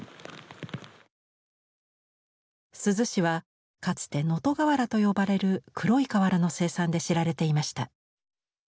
珠洲市はかつて「能登瓦」と呼ばれる黒い瓦の生産で知られていました。